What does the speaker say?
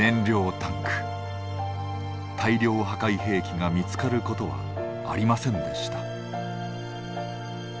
大量破壊兵器が見つかることはありませんでした。